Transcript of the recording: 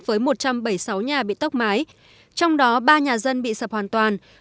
với một trăm bảy mươi sáu nhà bị tốc mái trong đó ba nhà dân bị sập hoàn toàn